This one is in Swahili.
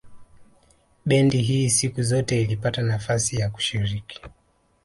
Bendi hii siku zote ilipata nafasi ya kushiriki